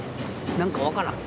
何か分からん。